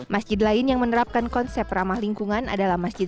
masjid lain yang menerapkan konsep ramah lingkungan adalah masjid